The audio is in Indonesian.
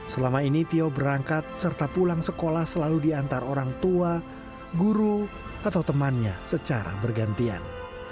selama ini tio berangkat serta pulang sekolah selalu diantar orang tua guru atau temannya secara bergantian